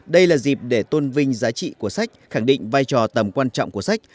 đây là dịp để tôn vinh giá trị của sách khẳng định vai trò tầm quan trọng của sách